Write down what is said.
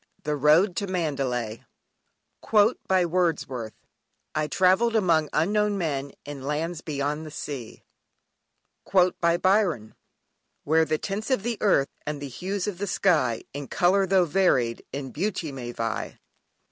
THE ROAD TO MANDALAY. "I travelled among unknown men, In lands beyond the Sea." (Wordsworth). "Where the tints of the earth, and the hues of the sky, In colour tho' varied, in beauty may vie."